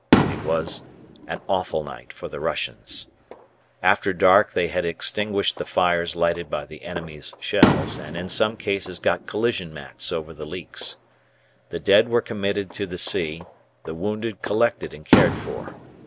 It was an awful night for the Russians. After dark they had extinguished the fires lighted by the enemy's shells, and in some cases got collision mats over the leaks. The dead were committed to the sea, the wounded collected and cared for.